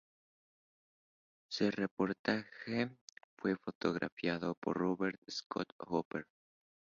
Su reportaje fue fotografiado por Robert Scott Hooper.